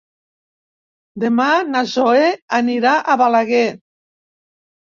Demà na Zoè anirà a Balaguer.